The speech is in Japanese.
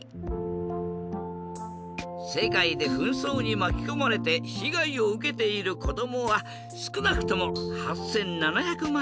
世界で紛争にまきこまれて被害を受けている子どもはすくなくとも８７００万人。